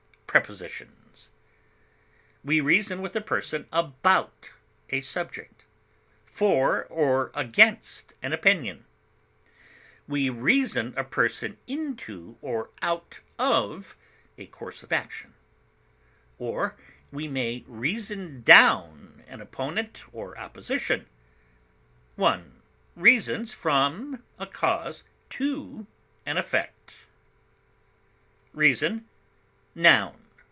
Prepositions: We reason with a person about a subject, for or against an opinion; we reason a person into or out of a course of action; or we may reason down an opponent or opposition; one reasons from a cause to an effect. REASON, _n.